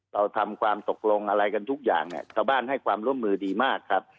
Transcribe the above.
เราทำความตกลงอะไรกันทุกอย่างเนี่ยชาวบ้านให้ความร่วมมือดีมากครับ